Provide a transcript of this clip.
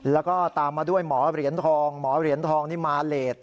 แล้วก็ตามมาด้วยหมอเหรียญทองหมอเหรียญทองนี่มาเลส